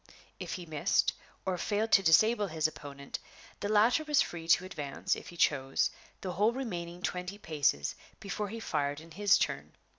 If he missed, or failed to disable his opponent, the latter was free to advance, if he chose, the whole remaining twenty paces before he fired in his turn.